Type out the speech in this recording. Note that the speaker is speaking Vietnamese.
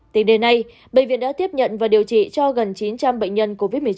tính đến nay bệnh viện đã tiếp nhận và điều trị cho gần chín trăm linh bệnh nhân covid một mươi chín